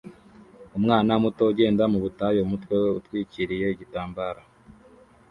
umwana muto ugenda mu butayu umutwe we utwikiriye igitambaro